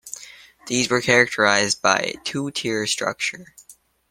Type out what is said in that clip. These were characterized by a two-tier structure.